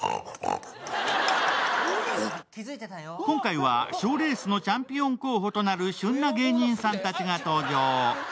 今回は賞レースのチャンピオン候補となる旬な芸人さんたちが登場。